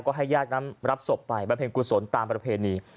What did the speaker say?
ก็ให้ญาติน้ำรับศพไปบรรเภณกุศลตามประเภณนี้